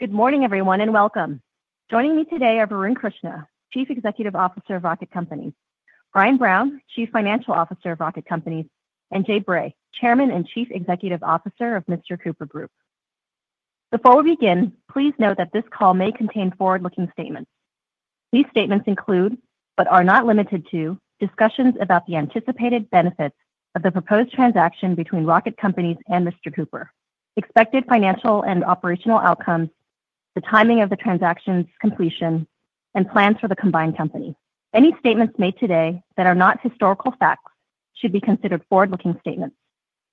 Good morning, everyone, and welcome. Joining me today are Varun Krishna, Chief Executive Officer of Rocket Companies, Brian Brown, Chief Financial Officer of Rocket Companies, and Jay Bray, Chairman and Chief Executive Officer of Mr. Cooper Group. Before we begin, please note that this call may contain forward-looking statements. These statements include, but are not limited to, discussions about the anticipated benefits of the proposed transaction between Rocket Companies and Mr. Cooper, expected financial and operational outcomes, the timing of the transaction's completion, and plans for the combined company. Any statements made today that are not historical facts should be considered forward-looking statements.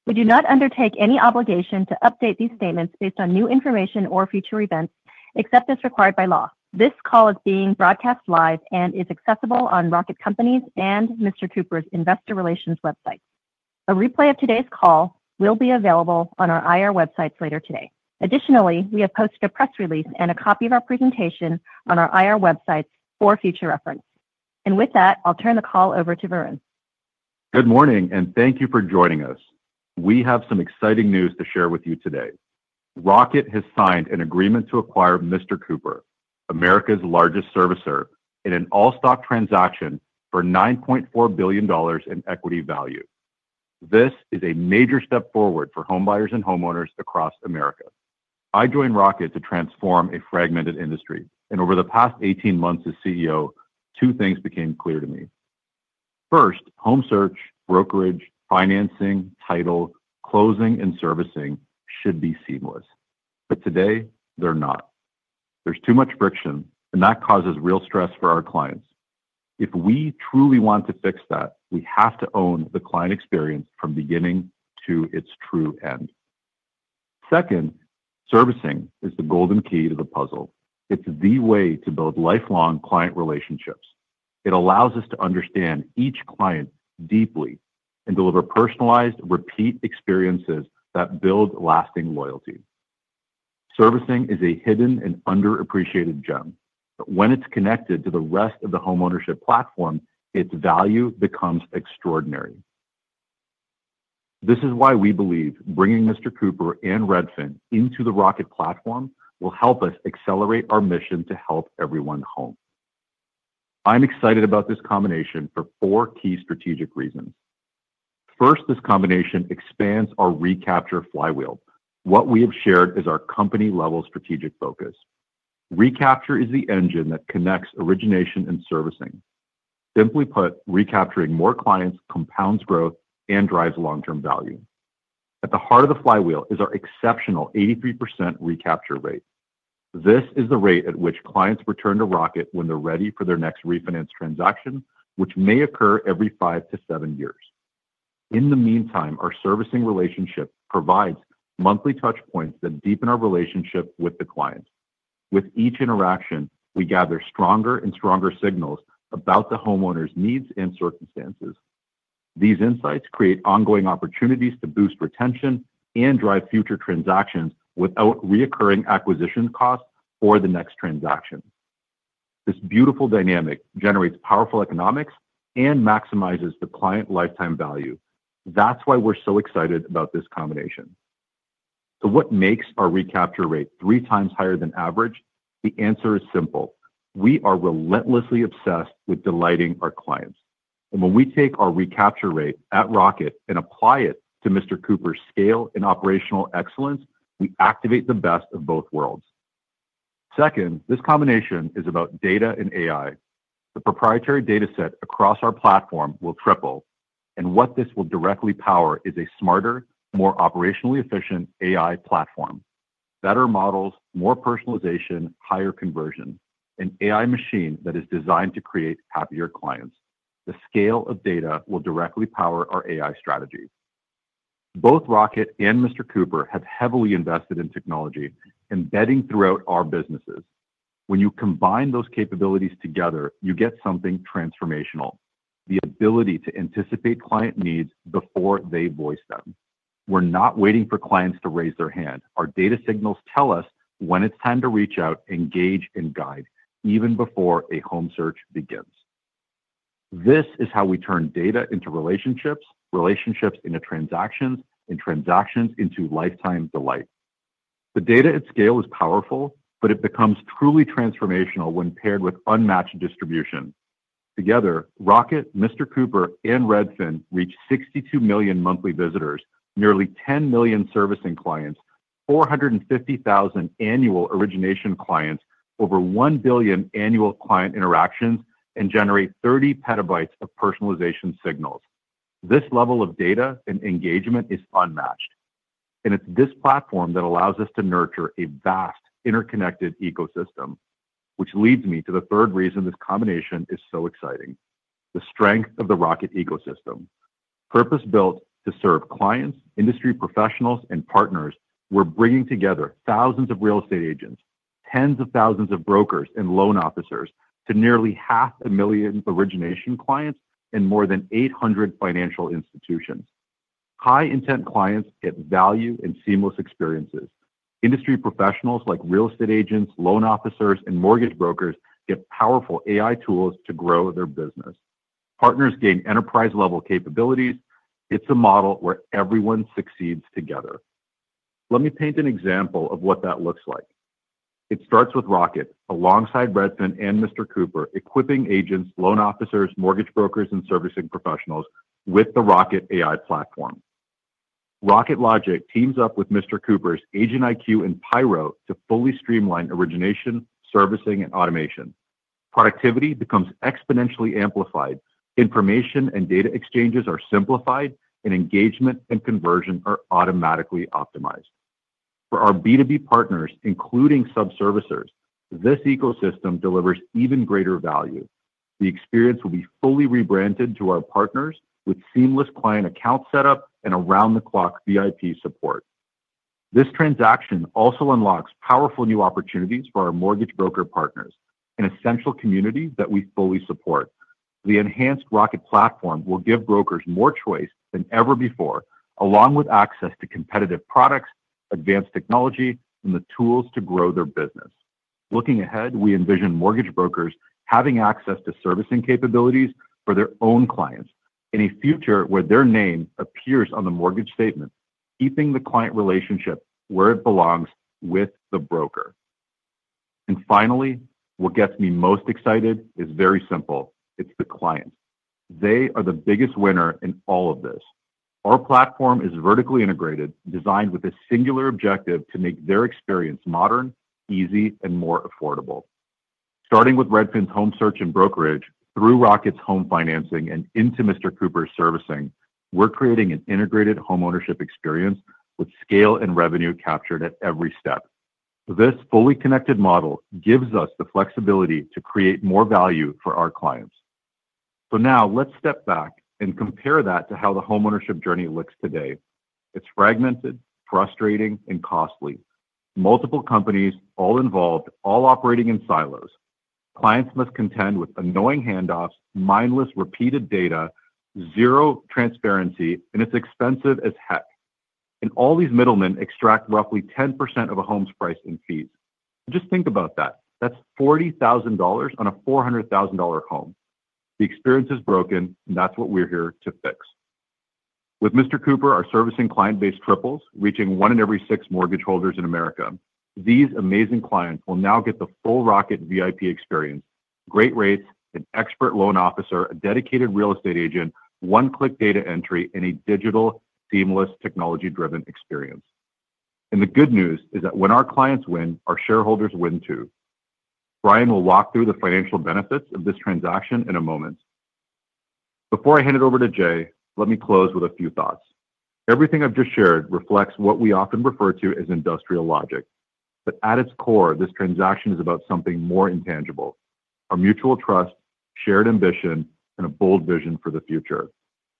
We do not undertake any obligation to update these statements based on new information or future events, except as required by law. This call is being broadcast live and is accessible on Rocket Companies and Mr. Cooper's Investor Relations website. A replay of today's call will be available on our IR websites later today. Additionally, we have posted a press release and a copy of our presentation on our IR websites for future reference. With that, I'll turn the call over to Varun. Good morning, and thank you for joining us. We have some exciting news to share with you today. Rocket has signed an agreement to acquire Mr. Cooper, America's largest servicer, in an all-stock transaction for $9.4 billion in equity value. This is a major step forward for homebuyers and homeowners across America. I joined Rocket to transform a fragmented industry, and over the past 18 months as CEO, two things became clear to me. First, home search, brokerage, financing, title, closing, and servicing should be seamless. Today, they're not. There's too much friction, and that causes real stress for our clients. If we truly want to fix that, we have to own the client experience from beginning to its true end. Second, servicing is the golden key to the puzzle. It's the way to build lifelong client relationships. It allows us to understand each client deeply and deliver personalized, repeat experiences that build lasting loyalty. Servicing is a hidden and underappreciated gem, but when it is connected to the rest of the homeownership platform, its value becomes extraordinary. This is why we believe bringing Mr. Cooper and Redfin into the Rocket platform will help us accelerate our mission to help everyone home. I am excited about this combination for four key strategic reasons. First, this combination expands our recapture flywheel. What we have shared is our company-level strategic focus. Recapture is the engine that connects origination and servicing. Simply put, recapturing more clients compounds growth and drives long-term value. At the heart of the flywheel is our exceptional 83% recapture rate. This is the rate at which clients return to Rocket when they are ready for their next refinance transaction, which may occur every five to seven years. In the meantime, our servicing relationship provides monthly touchpoints that deepen our relationship with the client. With each interaction, we gather stronger and stronger signals about the homeowner's needs and circumstances. These insights create ongoing opportunities to boost retention and drive future transactions without reoccurring acquisition costs for the next transaction. This beautiful dynamic generates powerful economics and maximizes the client lifetime value. That is why we are so excited about this combination. What makes our recapture rate three times higher than average? The answer is simple. We are relentlessly obsessed with delighting our clients. When we take our recapture rate at Rocket and apply it to Mr. Cooper's scale and operational excellence, we activate the best of both worlds. Second, this combination is about data and AI. The proprietary dataset across our platform will triple, and what this will directly power is a smarter, more operationally efficient AI platform. Better models, more personalization, higher conversion, an AI machine that is designed to create happier clients. The scale of data will directly power our AI strategy. Both Rocket and Mr. Cooper have heavily invested in technology, embedding throughout our businesses. When you combine those capabilities together, you get something transformational: the ability to anticipate client needs before they voice them. We're not waiting for clients to raise their hand. Our data signals tell us when it's time to reach out, engage, and guide, even before a home search begins. This is how we turn data into relationships, relationships into transactions, and transactions into lifetime delight. The data at scale is powerful, but it becomes truly transformational when paired with unmatched distribution. Together, Rocket, Mr. Cooper and Redfin reach 62 million monthly visitors, nearly 10 million servicing clients, 450,000 annual origination clients, over 1 billion annual client interactions, and generate 30 petabytes of personalization signals. This level of data and engagement is unmatched. It is this platform that allows us to nurture a vast, interconnected ecosystem, which leads me to the third reason this combination is so exciting: the strength of the Rocket ecosystem. Purpose-built to serve clients, industry professionals, and partners, we are bringing together thousands of real estate agents, tens of thousands of brokers, and loan officers to nearly half a million origination clients and more than 800 financial institutions. High-intent clients get value and seamless experiences. Industry professionals like real estate agents, loan officers, and mortgage brokers get powerful AI tools to grow their business. Partners gain enterprise-level capabilities. It is a model where everyone succeeds together. Let me paint an example of what that looks like. It starts with Rocket, alongside Redfin and Mr. Cooper, equipping agents, loan officers, mortgage brokers, and servicing professionals with the Rocket AI platform. Rocket Logic teams up with Mr. Cooper's Agent IQ and Pyro to fully streamline origination, servicing, and automation. Productivity becomes exponentially amplified. Information and data exchanges are simplified, and engagement and conversion are automatically optimized. For our B2B partners, including sub-servicers, this ecosystem delivers even greater value. The experience will be fully rebranded to our partners with seamless client account setup and around-the-clock VIP support. This transaction also unlocks powerful new opportunities for our mortgage broker partners, an essential community that we fully support. The enhanced Rocket platform will give brokers more choice than ever before, along with access to competitive products, advanced technology, and the tools to grow their business. Looking ahead, we envision mortgage brokers having access to servicing capabilities for their own clients in a future where their name appears on the mortgage statement, keeping the client relationship where it belongs with the broker. Finally, what gets me most excited is very simple. It's the client. They are the biggest winner in all of this. Our platform is vertically integrated, designed with a singular objective to make their experience modern, easy, and more affordable. Starting with Redfin's home search and brokerage, through Rocket's home financing, and into Mr. Cooper's servicing, we're creating an integrated homeownership experience with scale and revenue captured at every step. This fully connected model gives us the flexibility to create more value for our clients. Now, let's step back and compare that to how the homeownership journey looks today. It's fragmented, frustrating, and costly. Multiple companies all involved, all operating in silos. Clients must contend with annoying handoffs, mindless repeated data, zero transparency, and it's expensive as heck. All these middlemen extract roughly 10% of a home's price in fees. Just think about that. That's $40,000 on a $400,000 home. The experience is broken, and that's what we're here to fix. With Mr. Cooper, our servicing client base triples, reaching one in every six mortgage holders in America. These amazing clients will now get the full Rocket VIP experience, great rates, an expert loan officer, a dedicated real estate agent, one-click data entry, and a digital, seamless, technology-driven experience. The good news is that when our clients win, our shareholders win too. Brian will walk through the financial benefits of this transaction in a moment. Before I hand it over to Jay, let me close with a few thoughts. Everything I've just shared reflects what we often refer to as industrial logic. At its core, this transaction is about something more intangible: our mutual trust, shared ambition, and a bold vision for the future.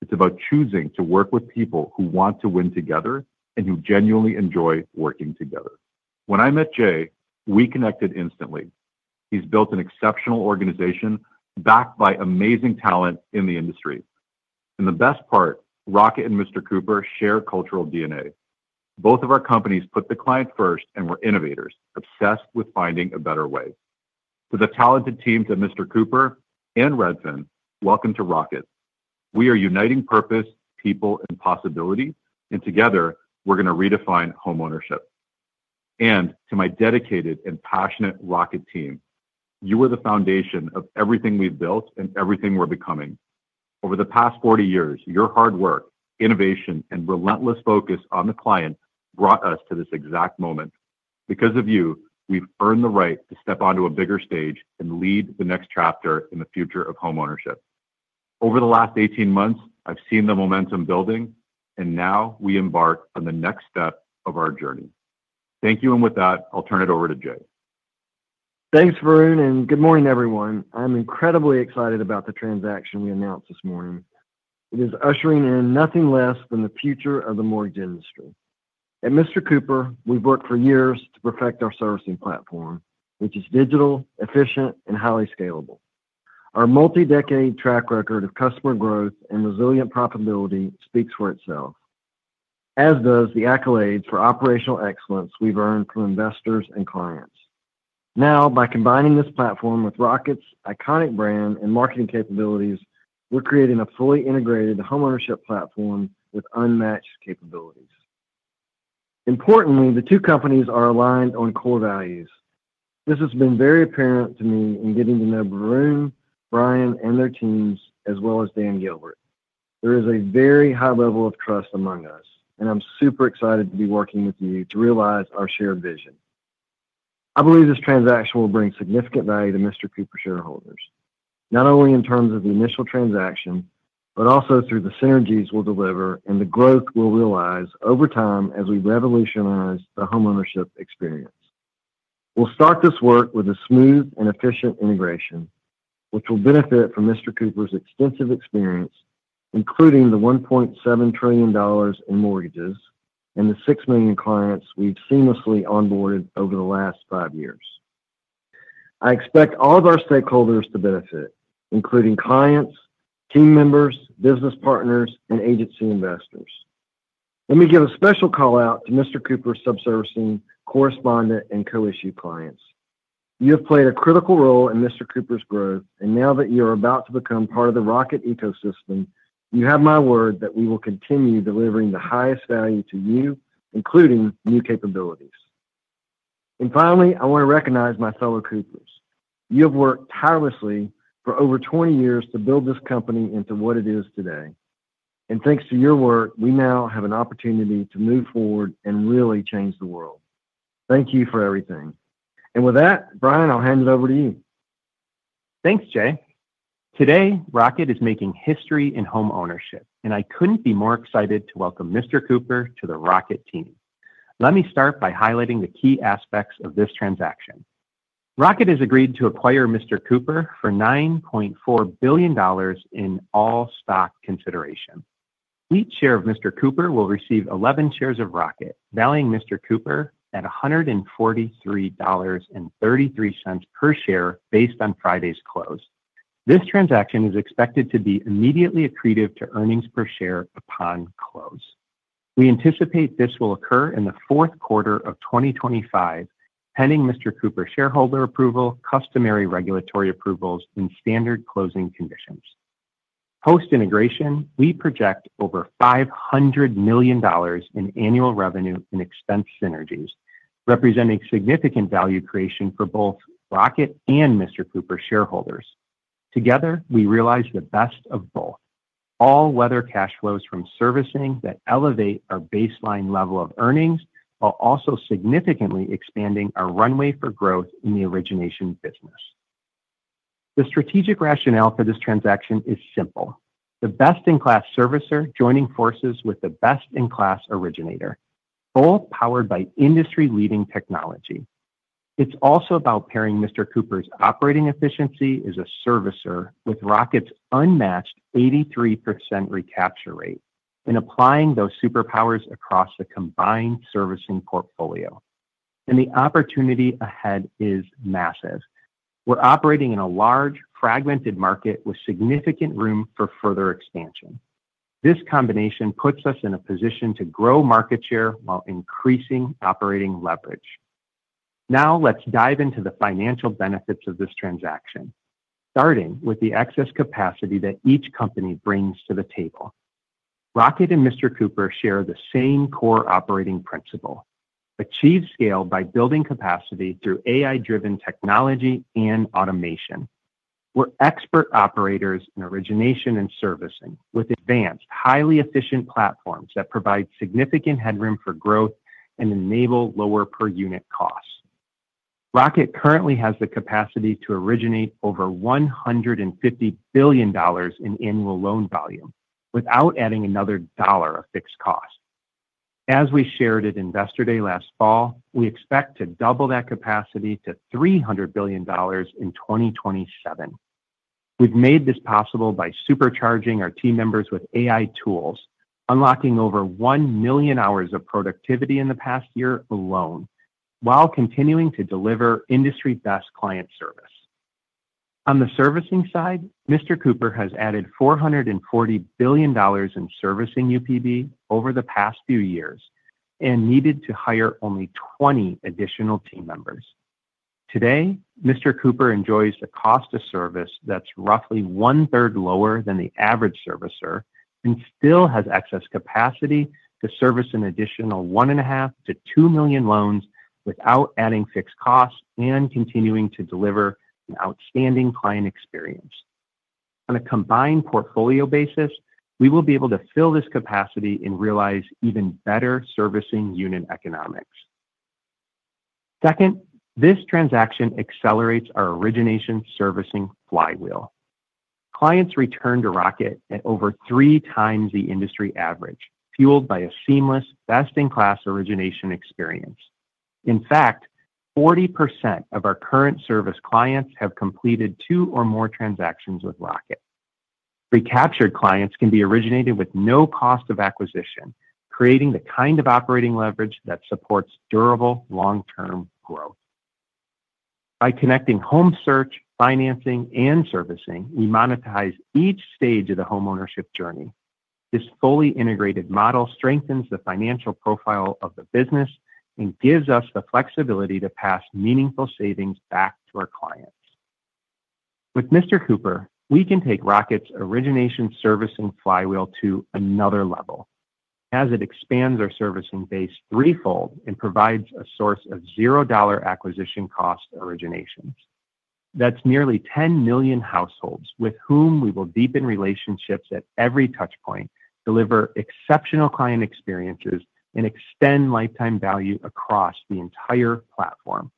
It's about choosing to work with people who want to win together and who genuinely enjoy working together. When I met Jay, we connected instantly. He's built an exceptional organization backed by amazing talent in the industry. The best part, Rocket and Mr. Cooper share cultural DNA. Both of our companies put the client first, and we're innovators, obsessed with finding a better way. To the talented teams at Mr. Cooper and Redfin, welcome to Rocket. We are uniting purpose, people, and possibility, and together, we're going to redefine homeownership. To my dedicated and passionate Rocket team, you are the foundation of everything we've built and everything we're becoming. Over the past 40 years, your hard work, innovation, and relentless focus on the client brought us to this exact moment. Because of you, we've earned the right to step onto a bigger stage and lead the next chapter in the future of homeownership. Over the last 18 months, I've seen the momentum building, and now we embark on the next step of our journey. Thank you, and with that, I'll turn it over to Jay. Thanks, Varun, and good morning, everyone. I'm incredibly excited about the transaction we announced this morning. It is ushering in nothing less than the future of the mortgage industry. At Mr. Cooper, we've worked for years to perfect our servicing platform, which is digital, efficient, and highly scalable. Our multi-decade track record of customer growth and resilient profitability speaks for itself, as does the accolades for operational excellence we've earned from investors and clients. Now, by combining this platform with Rocket's iconic brand and marketing capabilities, we're creating a fully integrated homeownership platform with unmatched capabilities. Importantly, the two companies are aligned on core values. This has been very apparent to me in getting to know Varun, Brian, and their teams, as well as Dan Gilbert. There is a very high level of trust among us, and I'm super excited to be working with you to realize our shared vision. I believe this transaction will bring significant value to Mr. Cooper shareholders, not only in terms of the initial transaction, but also through the synergies we'll deliver and the growth we'll realize over time as we revolutionize the homeownership experience. We'll start this work with a smooth and efficient integration, which will benefit from Mr. Cooper's extensive experience, including the $1.7 trillion in mortgages and the 6 million clients we've seamlessly onboarded over the last five years. I expect all of our stakeholders to benefit, including clients, team members, business partners, and agency investors. Let me give a special call out to Mr. Cooper's sub-servicing, correspondent, and co-issue clients. You have played a critical role in Mr. Cooper's growth, and now that you are about to become part of the Rocket ecosystem, you have my word that we will continue delivering the highest value to you, including new capabilities. Finally, I want to recognize my fellow Coopers. You have worked tirelessly for over 20 years to build this company into what it is today. Thanks to your work, we now have an opportunity to move forward and really change the world. Thank you for everything. With that, Brian, I'll hand it over to you. Thanks, Jay. Today, Rocket is making history in homeownership, and I couldn't be more excited to welcome Mr. Cooper to the Rocket team. Let me start by highlighting the key aspects of this transaction. Rocket has agreed to acquire Mr. Cooper for $9.4 billion in all stock consideration. Each share of Mr. Cooper will receive 11 shares of Rocket, valuing Mr. Cooper at $143.33 per share based on Friday's close. This transaction is expected to be immediately accretive to earnings per share upon close. We anticipate this will occur in the fourth quarter of 2025, pending Mr. Cooper shareholder approval, customary regulatory approvals, and standard closing conditions. Post-integration, we project over $500 million in annual revenue and expense synergies, representing significant value creation for both Rocket and Mr. Cooper shareholders. Together, we realize the best of both: all-weather cash flows from servicing that elevate our baseline level of earnings while also significantly expanding our runway for growth in the origination business. The strategic rationale for this transaction is simple: the best-in-class servicer joining forces with the best-in-class originator, both powered by industry-leading technology. It is also about pairing Mr. Cooper's operating efficiency as a servicer with Rocket's unmatched 83% recapture rate and applying those superpowers across the combined servicing portfolio. The opportunity ahead is massive. We are operating in a large, fragmented market with significant room for further expansion. This combination puts us in a position to grow market share while increasing operating leverage. Now, let's dive into the financial benefits of this transaction, starting with the excess capacity that each company brings to the table. Rocket and Mr. Cooper share the same core operating principle: achieve scale by building capacity through AI-driven technology and automation. We're expert operators in origination and servicing with advanced, highly efficient platforms that provide significant headroom for growth and enable lower per-unit costs. Rocket currently has the capacity to originate over $150 billion in annual loan volume without adding another dollar of fixed cost. As we shared at Investor Day last fall, we expect to double that capacity to $300 billion in 2027. We've made this possible by supercharging our team members with AI tools, unlocking over 1 million hours of productivity in the past year alone, while continuing to deliver industry-best client service. On the servicing side, Mr. Cooper has added $440 billion in servicing UPB over the past few years and needed to hire only 20 additional team members. Today, Mr. Cooper enjoys a cost of service that's roughly one-third lower than the average servicer and still has excess capacity to service an additional 1.5-2 million loans without adding fixed costs and continuing to deliver an outstanding client experience. On a combined portfolio basis, we will be able to fill this capacity and realize even better servicing unit economics. Second, this transaction accelerates our origination servicing flywheel. Clients return to Rocket at over three times the industry average, fueled by a seamless, best-in-class origination experience. In fact, 40% of our current service clients have completed two or more transactions with Rocket. Recaptured clients can be originated with no cost of acquisition, creating the kind of operating leverage that supports durable, long-term growth. By connecting home search, financing, and servicing, we monetize each stage of the homeownership journey. This fully integrated model strengthens the financial profile of the business and gives us the flexibility to pass meaningful savings back to our clients. With Mr. Cooper, we can take Rocket's origination servicing flywheel to another level as it expands our servicing base threefold and provides a source of $0 acquisition cost originations. That's nearly 10 million households with whom we will deepen relationships at every touchpoint, deliver exceptional client experiences, and extend lifetime value across the entire platform.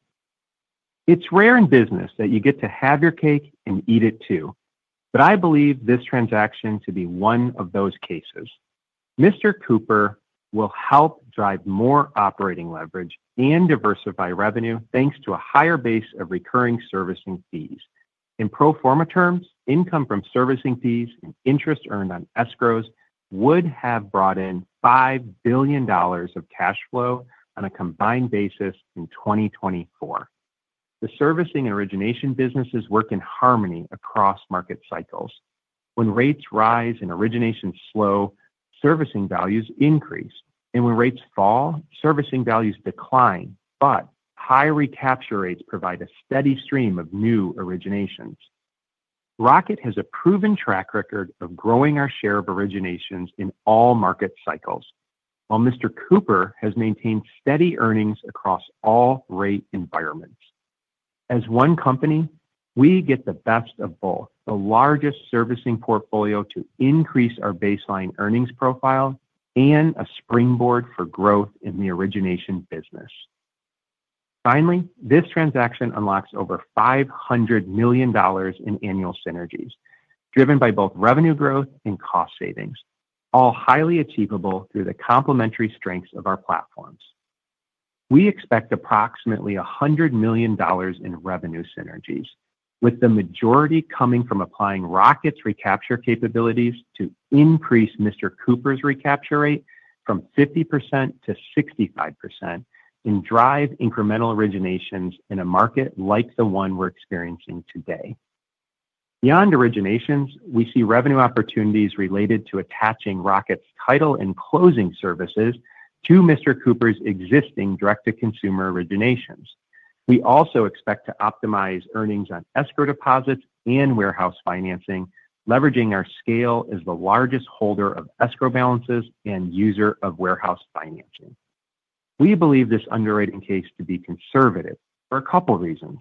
It's rare in business that you get to have your cake and eat it too, but I believe this transaction to be one of those cases. Mr. Cooper will help drive more operating leverage and diversify revenue thanks to a higher base of recurring servicing fees. In pro forma terms, income from servicing fees and interest earned on escrows would have brought in $5 billion of cash flow on a combined basis in 2024. The servicing origination businesses work in harmony across market cycles. When rates rise and originations slow, servicing values increase. When rates fall, servicing values decline, but high recapture rates provide a steady stream of new originations. Rocket has a proven track record of growing our share of originations in all market cycles, while Mr. Cooper has maintained steady earnings across all rate environments. As one company, we get the best of both: the largest servicing portfolio to increase our baseline earnings profile and a springboard for growth in the origination business. Finally, this transaction unlocks over $500 million in annual synergies, driven by both revenue growth and cost savings, all highly achievable through the complementary strengths of our platforms. We expect approximately $100 million in revenue synergies, with the majority coming from applying Rocket's recapture capabilities to increase Mr. Cooper's recapture rate from 50% to 65% and drive incremental originations in a market like the one we're experiencing today. Beyond originations, we see revenue opportunities related to attaching Rocket's title and closing services to Mr. Cooper's existing direct-to-consumer originations. We also expect to optimize earnings on escrow deposits and warehouse financing, leveraging our scale as the largest holder of escrow balances and user of warehouse financing. We believe this underwriting case to be conservative for a couple of reasons.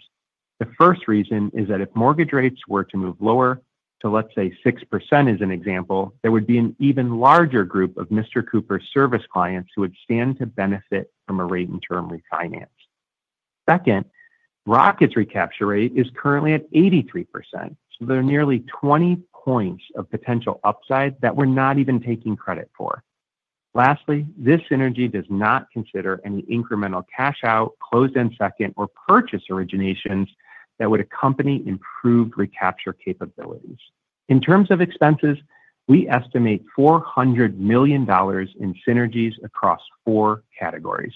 The first reason is that if mortgage rates were to move lower to, let's say, 6% as an example, there would be an even larger group of Mr. Cooper's service clients who would stand to benefit from a rate-and-term refinance. Second, Rocket's recapture rate is currently at 83%, so there are nearly 20 percentage points of potential upside that we're not even taking credit for. Lastly, this synergy does not consider any incremental cash-out, close-in-second, or purchase originations that would accompany improved recapture capabilities. In terms of expenses, we estimate $400 million in synergies across four categories.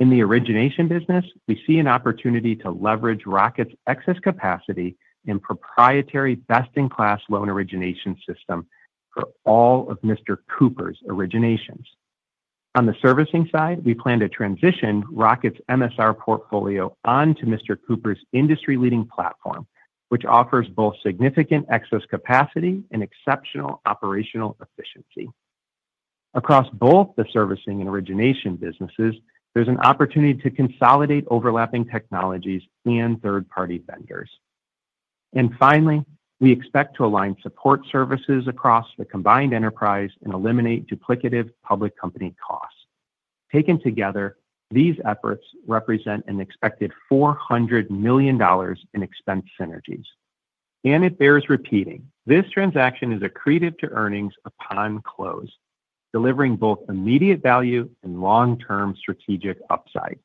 In the origination business, we see an opportunity to leverage Rocket's excess capacity and proprietary best-in-class loan origination system for all of Mr. Cooper's originations. On the servicing side, we plan to transition Rocket's MSR portfolio onto Mr. Cooper's industry-leading platform, which offers both significant excess capacity and exceptional operational efficiency. Across both the servicing and origination businesses, there's an opportunity to consolidate overlapping technologies and third-party vendors. Finally, we expect to align support services across the combined enterprise and eliminate duplicative public company costs. Taken together, these efforts represent an expected $400 million in expense synergies. It bears repeating, this transaction is accretive to earnings upon close, delivering both immediate value and long-term strategic upside.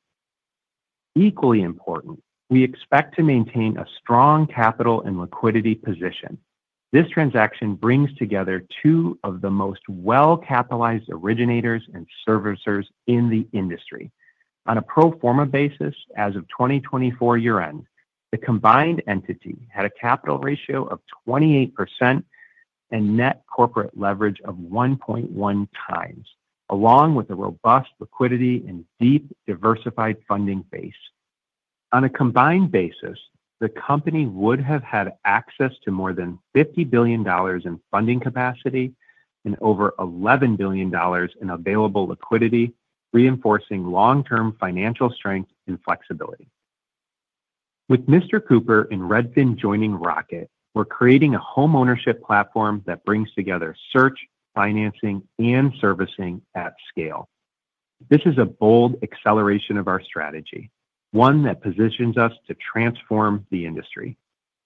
Equally important, we expect to maintain a strong capital and liquidity position. This transaction brings together two of the most well-capitalized originators and servicers in the industry. On a pro forma basis, as of 2024 year-end, the combined entity had a capital ratio of 28% and net corporate leverage of 1.1 times, along with a robust liquidity and deep diversified funding base. On a combined basis, the company would have had access to more than $50 billion in funding capacity and over $11 billion in available liquidity, reinforcing long-term financial strength and flexibility. With Mr. Cooper and Redfin joining Rocket, we're creating a homeownership platform that brings together search, financing, and servicing at scale. This is a bold acceleration of our strategy, one that positions us to transform the industry.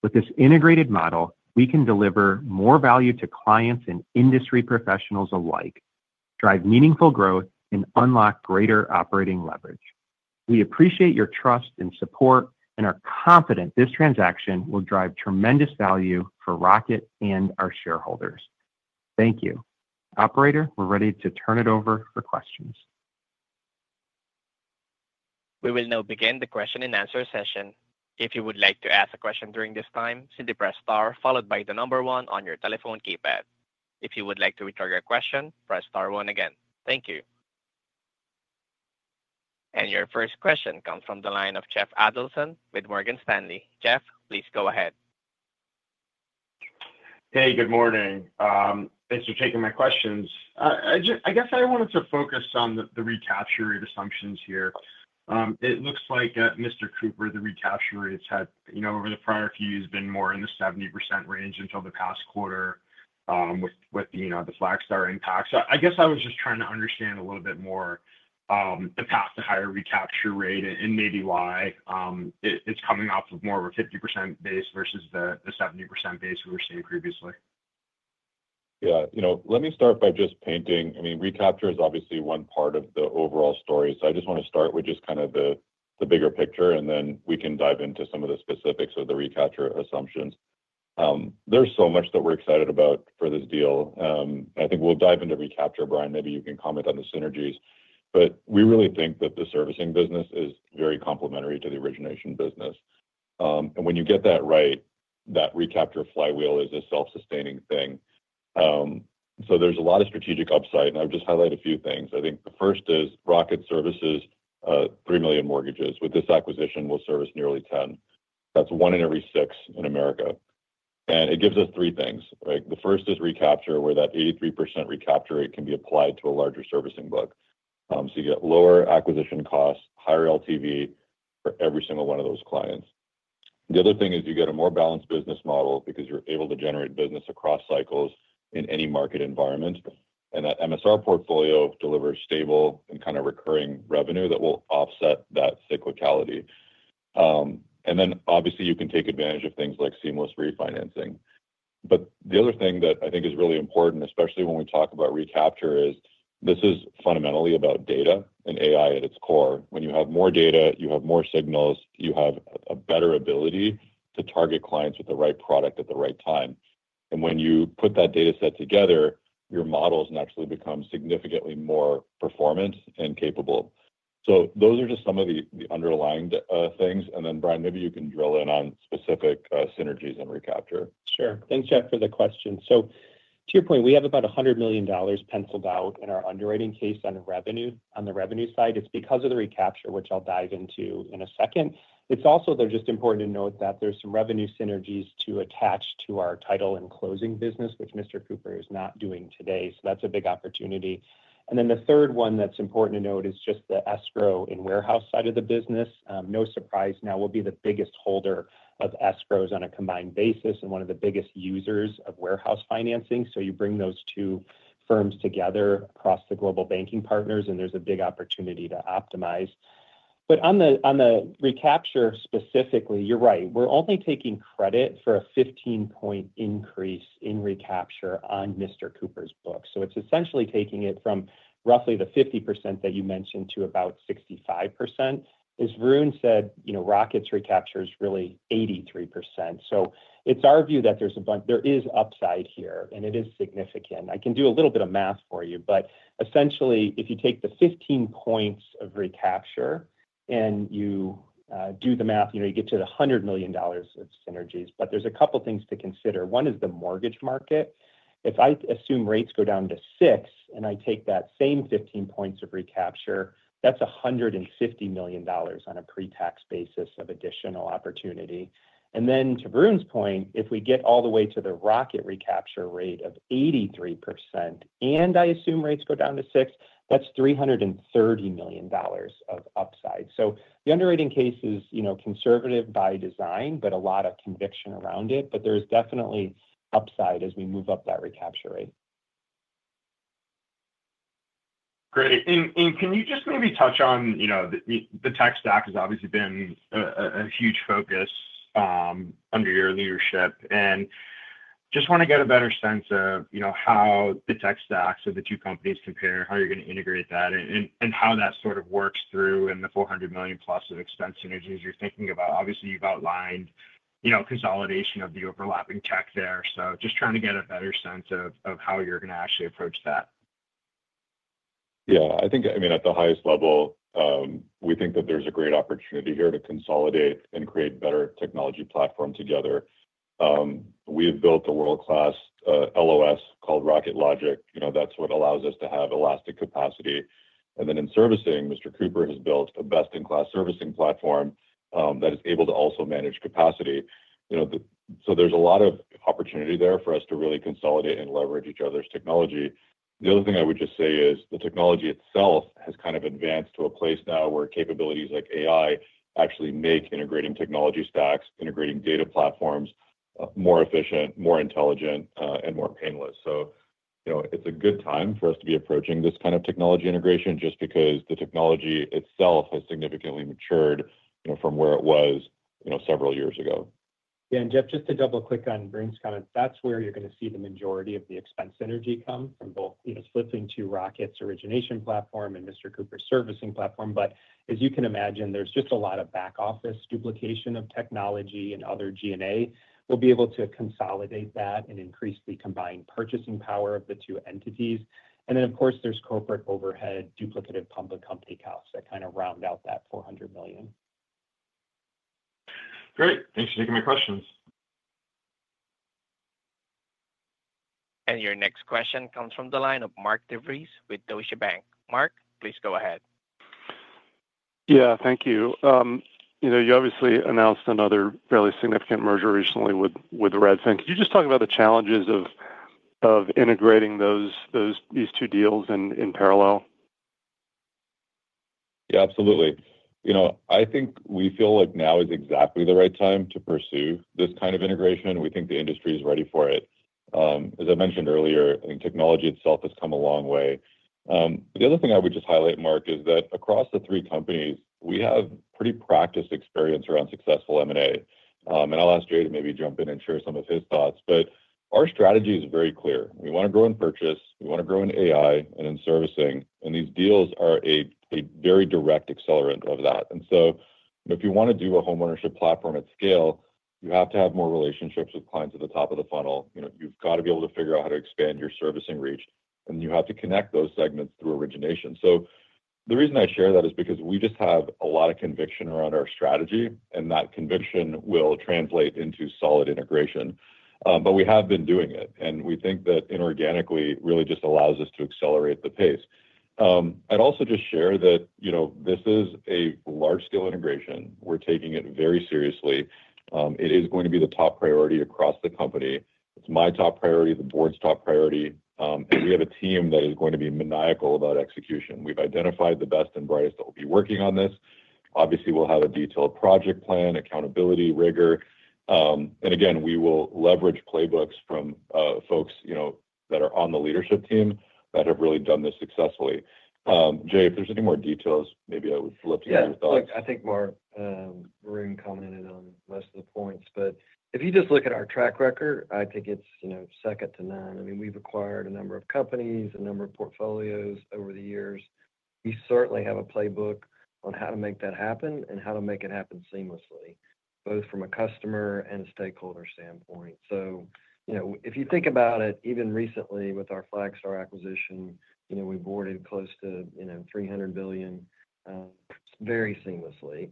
With this integrated model, we can deliver more value to clients and industry professionals alike, drive meaningful growth, and unlock greater operating leverage. We appreciate your trust and support and are confident this transaction will drive tremendous value for Rocket and our shareholders. Thank you. Operator, we're ready to turn it over for questions. We will now begin the question and answer session. If you would like to ask a question during this time, simply press star, followed by the number one on your telephone keypad. If you would like to withdraw your question, press star one again. Thank you. Your first question comes from the line of Jeff Adelson with Morgan Stanley. Jeff, please go ahead. Hey, good morning. Thanks for taking my questions. I guess I wanted to focus on the recapture rate assumptions here. It looks like Mr. Cooper, the recapture rates had, over the prior few years, been more in the 70% range until the past quarter with the Flagstar impact. I guess I was just trying to understand a little bit more the path to higher recapture rate and maybe why it's coming off of more of a 50% base versus the 70% base we were seeing previously. Yeah. Let me start by just painting—I mean, recapture is obviously one part of the overall story. I just want to start with just kind of the bigger picture, and then we can dive into some of the specifics of the recapture assumptions. There's so much that we're excited about for this deal. I think we'll dive into recapture. Brian, maybe you can comment on the synergies. We really think that the servicing business is very complementary to the origination business. When you get that right, that recapture flywheel is a self-sustaining thing. There's a lot of strategic upside. I would just highlight a few things. I think the first is Rocket services 3 million mortgages. With this acquisition, we'll service nearly 10. That's one in every six in America. It gives us three things. The first is recapture, where that 83% recapture rate can be applied to a larger servicing book. You get lower acquisition costs, higher LTV for every single one of those clients. The other thing is you get a more balanced business model because you're able to generate business across cycles in any market environment. That MSR portfolio delivers stable and kind of recurring revenue that will offset that cyclicality. Obviously, you can take advantage of things like seamless refinancing. The other thing that I think is really important, especially when we talk about recapture, is this is fundamentally about data and AI at its core. When you have more data, you have more signals. You have a better ability to target clients with the right product at the right time. When you put that data set together, your models naturally become significantly more performant and capable. Those are just some of the underlying things. Brian, maybe you can drill in on specific synergies and recapture. Sure. Thanks, Jeff, for the question. To your point, we have about $100 million penciled out in our underwriting case on the revenue side. It's because of the recapture, which I'll dive into in a second. It's also just important to note that there's some revenue synergies to attach to our title and closing business, which Mr. Cooper is not doing today. That's a big opportunity. The third one that's important to note is just the escrow and warehouse side of the business. No surprise now, we'll be the biggest holder of escrows on a combined basis and one of the biggest users of warehouse financing. You bring those two firms together across the global banking partners, and there's a big opportunity to optimize. On the recapture specifically, you're right. We're only taking credit for a 15-point increase in recapture on Mr. Cooper's book. It's essentially taking it from roughly the 50% that you mentioned to about 65%. As Varun said, Rocket's recapture is really 83%. It's our view that there is upside here, and it is significant. I can do a little bit of math for you, but essentially, if you take the 15 percentage points of recapture and you do the math, you get to the $100 million of synergies. There are a couple of things to consider. One is the mortgage market. If I assume rates go down to 6 and I take that same 15 percentage points of recapture, that's $150 million on a pre-tax basis of additional opportunity. To Varun's point, if we get all the way to the Rocket recapture rate of 83% and I assume rates go down to 6, that's $330 million of upside. The underwriting case is conservative by design, but a lot of conviction around it. There is definitely upside as we move up that recapture rate. Great. Can you just maybe touch on the tech stack has obviously been a huge focus under your leadership. I just want to get a better sense of how the tech stacks of the two companies compare, how you're going to integrate that, and how that sort of works through in the $400 million-plus of expense synergies you're thinking about. Obviously, you've outlined consolidation of the overlapping tech there. Just trying to get a better sense of how you're going to actually approach that. Yeah. I think, I mean, at the highest level, we think that there's a great opportunity here to consolidate and create better technology platform together. We have built a world-class LOS called Rocket Logic. That's what allows us to have elastic capacity. In servicing, Mr. Cooper has built a best-in-class servicing platform that is able to also manage capacity. There is a lot of opportunity there for us to really consolidate and leverage each other's technology. The other thing I would just say is the technology itself has kind of advanced to a place now where capabilities like AI actually make integrating technology stacks, integrating data platforms more efficient, more intelligent, and more painless. It is a good time for us to be approaching this kind of technology integration just because the technology itself has significantly matured from where it was several years ago. Yeah. And Jeff, just to double-click on Varun's comments, that's where you're going to see the majority of the expense synergy come from both flipping to Rocket's origination platform and Mr. Cooper's servicing platform. As you can imagine, there's just a lot of back-office duplication of technology and other G&A. We'll be able to consolidate that and increase the combined purchasing power of the two entities. Of course, there's corporate overhead duplicative public company costs that kind of round out that $400 million. Great. Thanks for taking my questions. Your next question comes from the line of Mark DeVries with Deutsche Bank. Mark, please go ahead. Yeah. Thank you. You obviously announced another fairly significant merger recently with Redfin. Could you just talk about the challenges of integrating these two deals in parallel? Yeah, absolutely. I think we feel like now is exactly the right time to pursue this kind of integration. We think the industry is ready for it. As I mentioned earlier, I think technology itself has come a long way. The other thing I would just highlight, Mark, is that across the three companies, we have pretty practiced experience around successful M&A. I will ask Jay to maybe jump in and share some of his thoughts. Our strategy is very clear. We want to grow in purchase. We want to grow in AI and in servicing. These deals are a very direct accelerant of that. If you want to do a homeownership platform at scale, you have to have more relationships with clients at the top of the funnel. You have to be able to figure out how to expand your servicing reach. You have to connect those segments through origination. The reason I share that is because we just have a lot of conviction around our strategy. That conviction will translate into solid integration. We have been doing it. We think that inorganically really just allows us to accelerate the pace. I would also just share that this is a large-scale integration. We are taking it very seriously. It is going to be the top priority across the company. It is my top priority, the board's top priority. We have a team that is going to be maniacal about execution. We have identified the best and brightest that will be working on this. Obviously, we will have a detailed project plan, accountability, rigor. Again, we will leverage playbooks from folks that are on the leadership team that have really done this successfully. Jay, if there's any more details, maybe I would flip to your thoughts. Yeah. I think Mark Varun commented on most of the points. But if you just look at our track record, I think it's second to none. I mean, we've acquired a number of companies, a number of portfolios over the years. We certainly have a playbook on how to make that happen and how to make it happen seamlessly, both from a customer and a stakeholder standpoint. If you think about it, even recently with our Flagstar acquisition, we boarded close to $300 billion very seamlessly.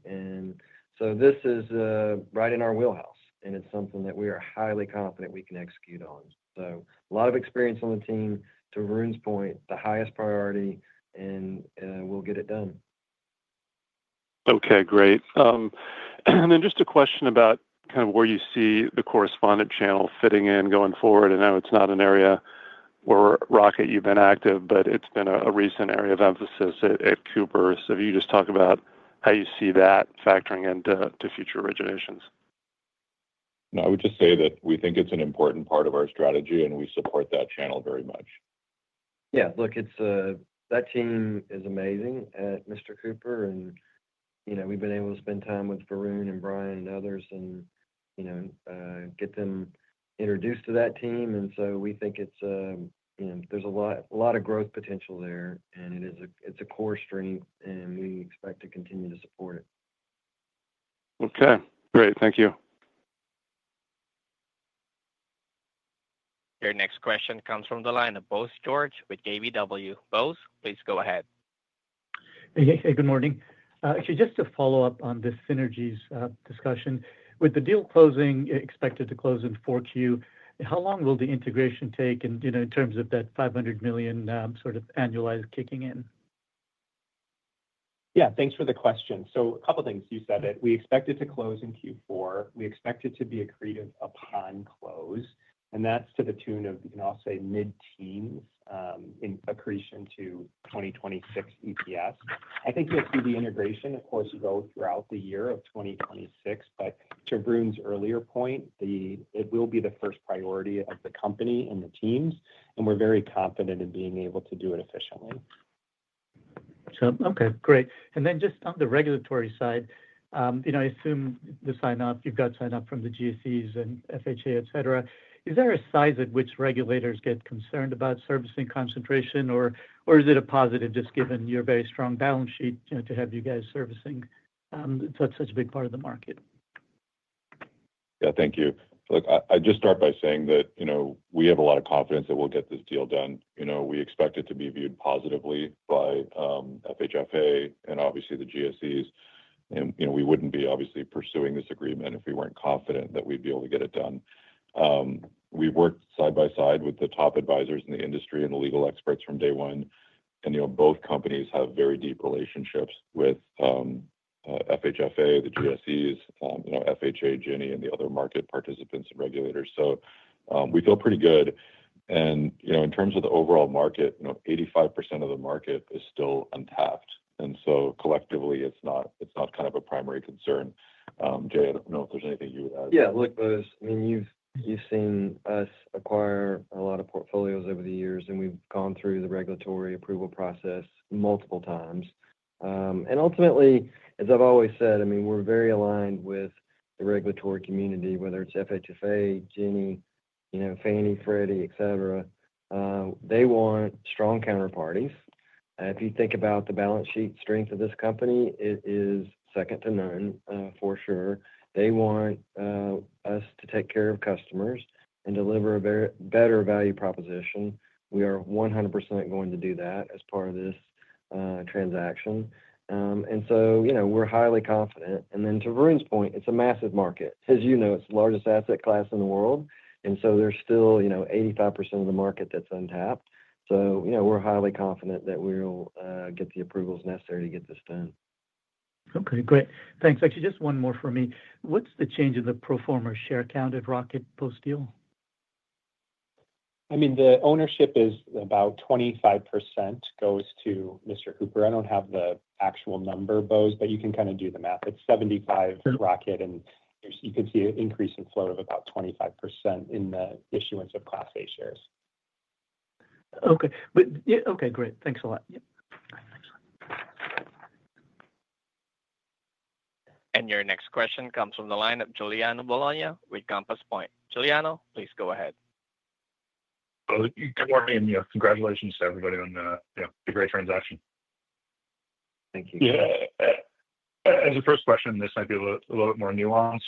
This is right in our wheelhouse. It's something that we are highly confident we can execute on. A lot of experience on the team. To Varun's point, the highest priority, and we'll get it done. Okay. Great. Just a question about kind of where you see the correspondent channel fitting in going forward. I know it's not an area where Rocket you've been active, but it's been a recent area of emphasis at Cooper. If you just talk about how you see that factoring into future originations. I would just say that we think it's an important part of our strategy, and we support that channel very much. Yeah. Look, that team is amazing at Mr. Cooper. We have been able to spend time with Varun and Brian and others and get them introduced to that team. We think there is a lot of growth potential there. It is a core strength, and we expect to continue to support it. Okay. Great. Thank you. Your next question comes from the line of Bose George with KBW. Bose, please go ahead. Hey. Good morning. Just to follow up on this synergies discussion. With the deal closing expected to close in Q4, how long will the integration take in terms of that $500 million sort of annualized kicking in? Yeah. Thanks for the question. A couple of things. You said it. We expect it to close in Q4. We expect it to be accretive upon close. That's to the tune of, I'll say, mid-teens in accretion to 2026 EPS. I think you'll see the integration, of course, go throughout the year of 2026. To Varun's earlier point, it will be the first priority of the company and the teams. We're very confident in being able to do it efficiently. Okay. Great. And then just on the regulatory side, I assume the sign-off, you've got sign-off from the GSEs and FHA, etc. Is there a size at which regulators get concerned about servicing concentration, or is it a positive just given your very strong balance sheet to have you guys servicing such a big part of the market? Yeah. Thank you. Look, I'd just start by saying that we have a lot of confidence that we'll get this deal done. We expect it to be viewed positively by FHFA and obviously the GSEs. We wouldn't be obviously pursuing this agreement if we weren't confident that we'd be able to get it done. We've worked side by side with the top advisors in the industry and the legal experts from day one. Both companies have very deep relationships with FHFA, the GSEs, FHA, Ginnie, and the other market participants and regulators. We feel pretty good. In terms of the overall market, 85% of the market is still untapped. Collectively, it's not kind of a primary concern. Jay, I don't know if there's anything you would add. Yeah. Look, Bose, I mean, you've seen us acquire a lot of portfolios over the years. We've gone through the regulatory approval process multiple times. Ultimately, as I've always said, I mean, we're very aligned with the regulatory community, whether it's FHFA, Ginnie, Fannie, Freddie, etc. They want strong counterparties. If you think about the balance sheet strength of this company, it is second to none, for sure. They want us to take care of customers and deliver a better value proposition. We are 100% going to do that as part of this transaction. We are highly confident. To Varun's point, it's a massive market. As you know, it's the largest asset class in the world. There is still 85% of the market that's untapped. We are highly confident that we'll get the approvals necessary to get this done. Okay. Great. Thanks. Actually, just one more for me. What's the change in the pro forma share count of Rocket Companies deal? I mean, the ownership is about 25% goes to Mr. Cooper. I don't have the actual number, Bose, but you can kind of do the math. It's 75 Rocket. And you could see an increase in flow of about 25% in the issuance of Class A shares. Okay. Okay. Great. Thanks a lot. Yep. Thanks. Your next question comes from the line of Giuliano Bologna with Compass Point. Giuliano, please go ahead. Good morning. Congratulations to everybody on a great transaction. Thank you. Yeah. As a first question, this might be a little bit more nuanced.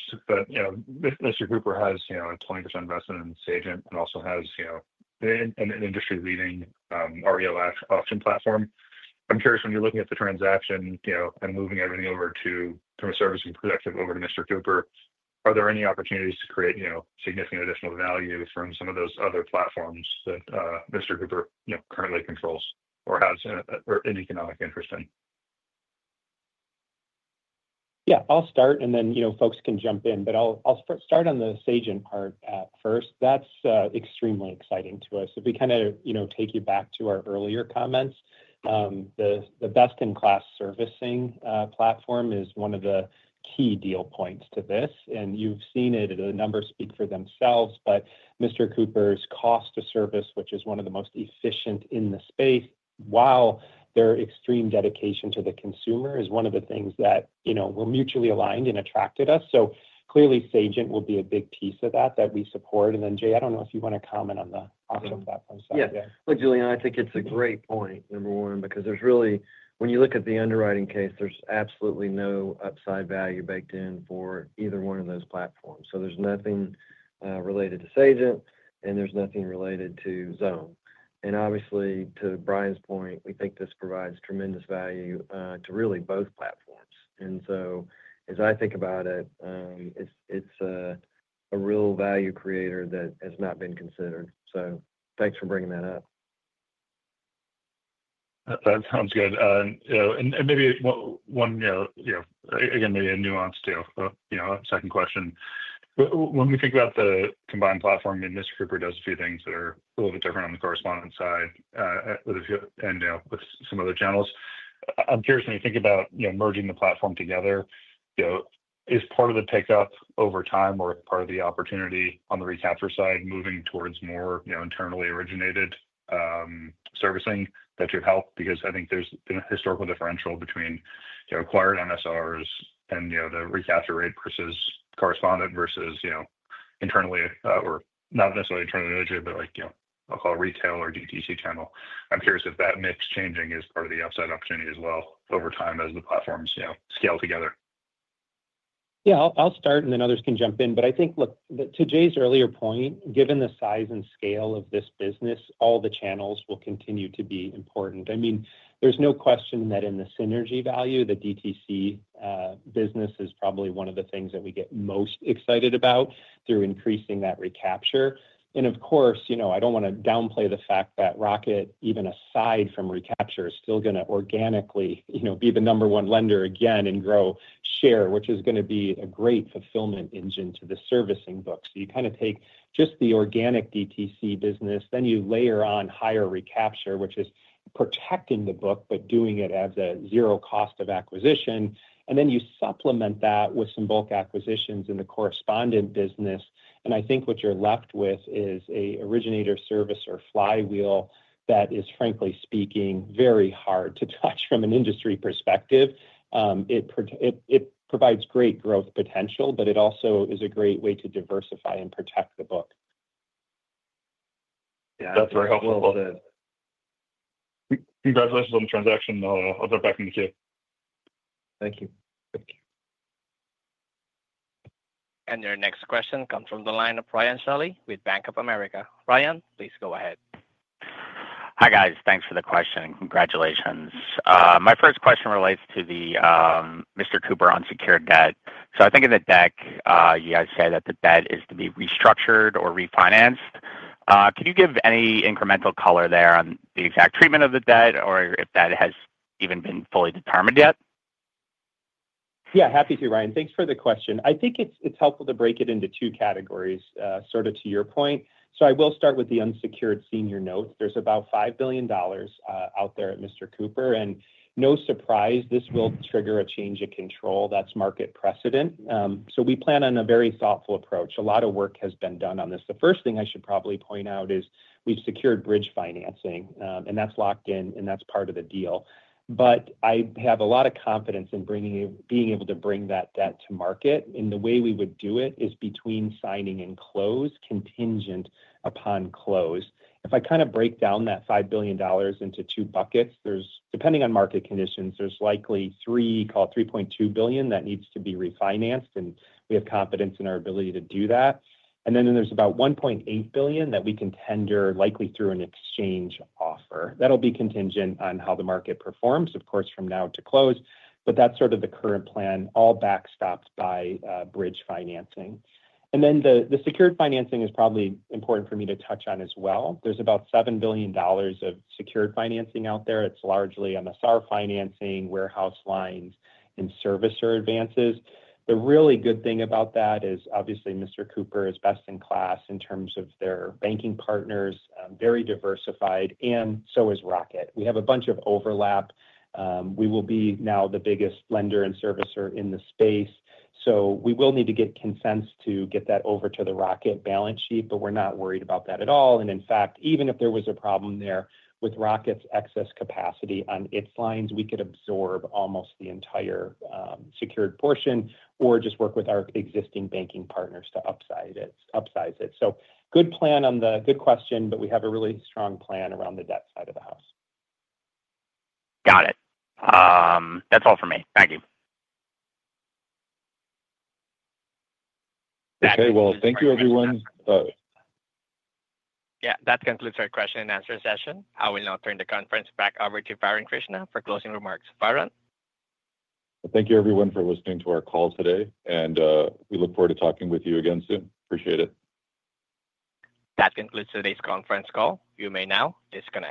Mr. Cooper has a 20% investment in Sagent and also has an industry-leading REO auction platform. I'm curious, when you're looking at the transaction and moving everything over to a servicing perspective over to Mr. Cooper, are there any opportunities to create significant additional value from some of those other platforms that Mr. Cooper currently controls or has an economic interest in? Yeah. I'll start. And then folks can jump in. I'll start on the Sagent part first. That's extremely exciting to us. If we kind of take you back to our earlier comments, the best-in-class servicing platform is one of the key deal points to this. You have seen it. The numbers speak for themselves. Mr. Cooper's cost to service, which is one of the most efficient in the space, while their extreme dedication to the consumer is one of the things that were mutually aligned and attracted us. Clearly, Sagent will be a big piece of that that we support. Jay, I don't know if you want to comment on the option platform side. Yeah. Yeah. Look, Juliano, I think it's a great point, number one, because when you look at the underwriting case, there's absolutely no upside value baked in for either one of those platforms. There's nothing related to Sagent, and there's nothing related to Xome. Obviously, to Brian's point, we think this provides tremendous value to really both platforms. As I think about it, it's a real value creator that has not been considered. Thanks for bringing that up. That sounds good. Maybe one, again, maybe a nuance to a second question. When we think about the combined platform, I mean, Mr. Cooper does a few things that are a little bit different on the correspondent side and with some other channels. I'm curious, when you think about merging the platform together, is part of the pickup over time or part of the opportunity on the recapture side moving towards more internally originated servicing that could help? Because I think there is a historical differential between acquired MSRs and the recapture rate versus correspondent versus internally or not necessarily internally originated, but I will call it retail or DTC channel. I'm curious if that mix changing is part of the upside opportunity as well over time as the platforms scale together. Yeah. I'll start, and then others can jump in. I think, look, to Jay's earlier point, given the size and scale of this business, all the channels will continue to be important. I mean, there's no question that in the synergy value, the DTC business is probably one of the things that we get most excited about through increasing that recapture. Of course, I don't want to downplay the fact that Rocket, even aside from recapture, is still going to organically be the number one lender again and grow share, which is going to be a great fulfillment engine to the servicing book. You kind of take just the organic DTC business, then you layer on higher recapture, which is protecting the book but doing it at a zero cost of acquisition. You supplement that with some bulk acquisitions in the correspondent business. I think what you're left with is an originator servicer flywheel that is, frankly speaking, very hard to touch from an industry perspective. It provides great growth potential, but it also is a great way to diversify and protect the book. Yeah. That's very helpful. Bose said. Congratulations on the transaction. I'll jump back in the queue. Thank you. Thank you. Your next question comes from the line of Brian Shelley with Bank of America. Brian, please go ahead. Hi guys. Thanks for the question. Congratulations. My first question relates to Mr. Cooper on secured debt. I think in the deck, you guys say that the debt is to be restructured or refinanced. Can you give any incremental color there on the exact treatment of the debt or if that has even been fully determined yet? Yeah. Happy to, Ryan. Thanks for the question. I think it's helpful to break it into two categories sort of to your point. I will start with the unsecured senior note. There's about $5 billion out there at Mr. Cooper. No surprise, this will trigger a change of control. That's market precedent. We plan on a very thoughtful approach. A lot of work has been done on this. The first thing I should probably point out is we've secured bridge financing. That's locked in, and that's part of the deal. I have a lot of confidence in being able to bring that debt to market. The way we would do it is between signing and close, contingent upon close. If I kind of break down that $5 billion into two buckets, depending on market conditions, there's likely $3.2 billion that needs to be refinanced. We have confidence in our ability to do that. There is about $1.8 billion that we can tender likely through an exchange offer. That will be contingent on how the market performs, of course, from now to close. That is the current plan, all backstopped by bridge financing. The secured financing is probably important for me to touch on as well. There is about $7 billion of secured financing out there. It is largely MSR financing, warehouse lines, and servicer advances. The really good thing about that is, obviously, Mr. Cooper is best in class in terms of their banking partners, very diversified, and so is Rocket. We have a bunch of overlap. We will be now the biggest lender and servicer in the space. We will need to get consents to get that over to the Rocket balance sheet, but we're not worried about that at all. In fact, even if there was a problem there with Rocket's excess capacity on its lines, we could absorb almost the entire secured portion or just work with our existing banking partners to upsize it. Good plan on the good question, but we have a really strong plan around the debt side of the house. Got it. That's all for me. Thank you. Okay. Thank you, everyone. Yeah. That concludes our question and answer session. I will now turn the conference back over to Varun Krishna for closing remarks. Varun? Thank you, everyone, for listening to our call today. We look forward to talking with you again soon. Appreciate it. That concludes today's conference call. You may now disconnect.